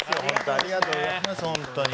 ありがとうございます。